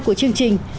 của chương trình